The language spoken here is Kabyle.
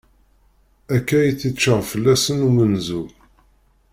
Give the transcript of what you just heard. Akka i tt-icar fell-asen umenzu.